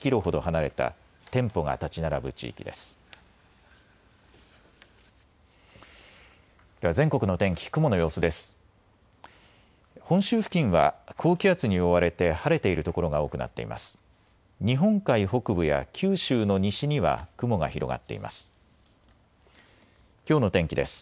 日本海北部や九州の西には雲が広がっています。